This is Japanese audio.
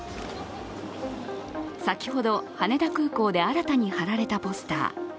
先ほど羽田空港で新たに貼られたポスター。